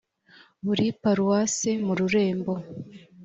buri paruwase mu rurembo